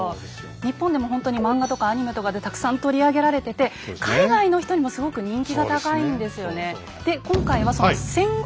日本でもほんとに漫画とかアニメとかでたくさん取り上げられてて海外の人にもすごく人気が高いんですよね。